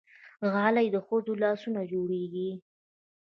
غالۍ د ښځو له لاسونو جوړېږي.